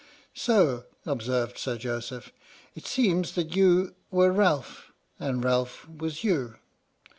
" So," observed Sir Joseph, "it seems that you were Ralph and Ralph was you."